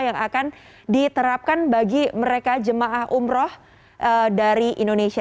yang akan diterapkan bagi mereka jemaah umroh dari indonesia